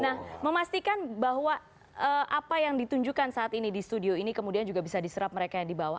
nah memastikan bahwa apa yang ditunjukkan saat ini di studio ini kemudian juga bisa diserap mereka yang dibawa